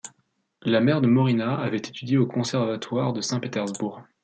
La mère de Mauriņa avait étudié au Conservatoire de Saint-Pétersbourg.